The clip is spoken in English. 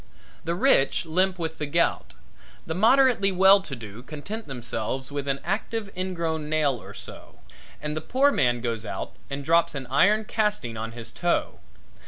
The rich limp with the gout, the moderately well to do content themselves with an active ingrown nail or so, and the poor man goes out and drops an iron casting on his toe.